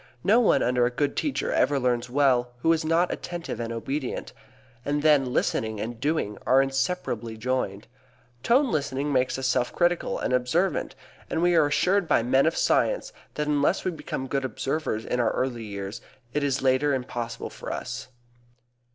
No one under a good teacher ever learns well who is not attentive and obedient. And then listening and doing are inseparably joined. Tone listening makes us self critical and observant, and we are assured by men of science that unless we become good observers in our early years, it is later impossible for us.